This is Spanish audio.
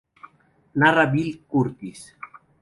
Narra Bill Kurtis.